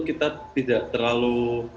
kita tidak terlalu